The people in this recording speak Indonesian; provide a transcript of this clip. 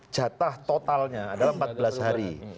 jatah totalnya adalah empat belas hari